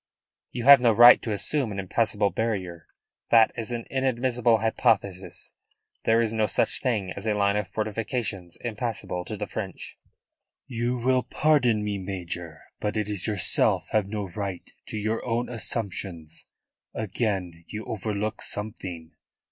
"You have no right to assume an impassable barrier. That is an inadmissible hypothesis. There is no such thing as a line of fortifications impassable to the French." "You will pardon me, Major, but it is yourself have no right to your own assumptions. Again you overlook something.